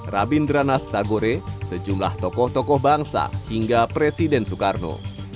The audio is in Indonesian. rabindranath tagore sejumlah tokoh tokoh bangsa hingga presiden soekarno